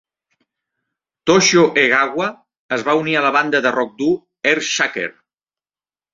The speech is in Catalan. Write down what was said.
Toshio Egawa es va unir a la banda de rock dur Earthshaker.